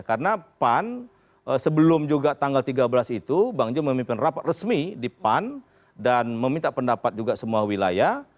karena pan sebelum juga tanggal tiga belas itu bang jo memimpin rapat resmi di pan dan meminta pendapat juga semua wilayah